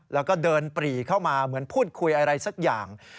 แล้วก็เดินปรีเข้ามาเหมือนพูดคุยอะไรสักอย่าง